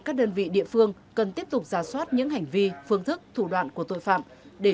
các đơn vị địa phương cần tiếp tục ra soát những hành vi phương thức thủ đoạn của tội phạm để